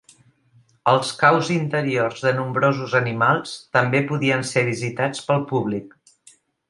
Els caus interiors de nombrosos animals també podien ser visitats pel públic.